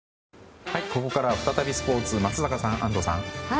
ここからは再びスポーツ松坂さん、安藤さん。